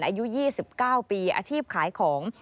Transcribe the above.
อายุ๒๙ปีอาชีพขายของ